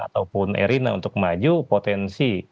ataupun erina untuk maju potensi